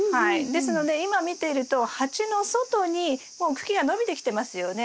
ですので今見てると鉢の外にもう茎が伸びてきてますよね。